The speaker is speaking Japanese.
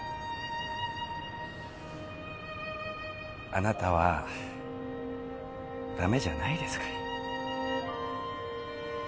あなたは駄目じゃないですから。